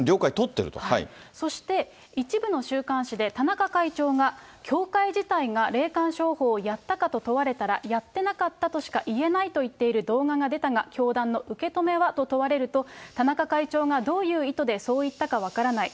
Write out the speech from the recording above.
そして、一部の週刊誌で、田中会長が、教会自体が霊感商法をやったかと問われたら、やってなかったとしかいえないと言っている動画が出たが、教団の受け止めはと問われると、田中会長がどういう意図でそう言ったか分からない。